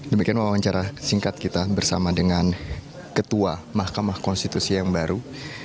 demikian wawancara singkat kita bersama dengan ketua mahkamah konstitusi yang baru